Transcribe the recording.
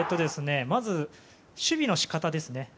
まず、守備の仕方ですね。